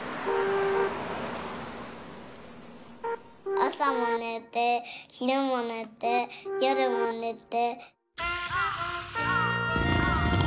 あさもねてひるもねてよるもねて。